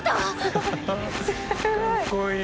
かっこいい。